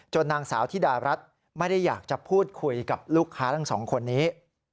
นางสาวธิดารัฐไม่ได้อยากจะพูดคุยกับลูกค้าทั้งสองคนนี้